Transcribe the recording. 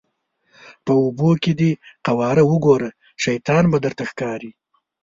په اوبو کې دې قواره وګوره شیطان به درته ښکاري.